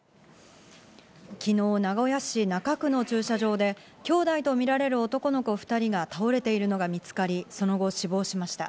昨日は名古屋市中区の駐車場で、兄弟とみられる男の子２人が倒れているのが見つかり、その後死亡しました。